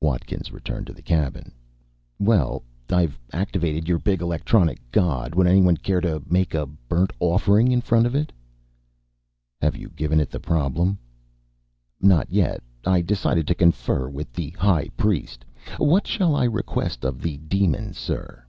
Watkins returned to the cabin. "Well, I've activated your big electronic god. Would anyone care to make a burned offering in front of it?" "Have you given it the problem?" "Not yet. I decided to confer with the high priest. What shall I request of the demon, sir?"